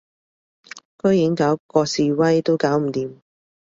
居然搞嗰示威都搞唔掂